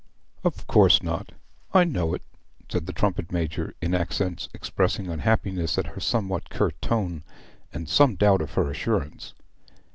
'Of course not. I know it,' said the trumpet major, in accents expressing unhappiness at her somewhat curt tone, and some doubt of her assurance.